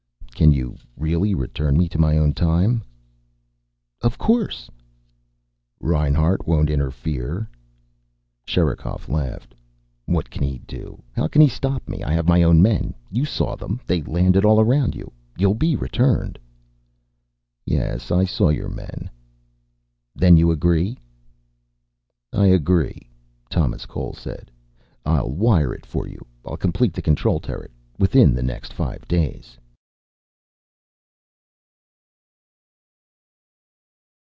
"Can you really return me to my own time?" "Of course!" "Reinhart won't interfere?" Sherikov laughed. "What can he do? How can he stop me? I have my own men. You saw them. They landed all around you. You'll be returned." "Yes. I saw your men." "Then you agree?" "I agree," Thomas Cole said. "I'll wire it for you. I'll complete the control turret within the next five days."